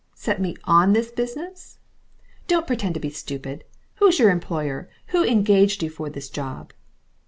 "Set me ON this business?" "Don't pretend to be stupid. Who's your employer? Who engaged you for this job?"